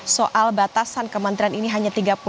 soal batasan kementerian ini hanya tiga puluh